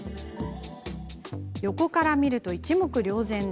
横から見ると一目瞭然。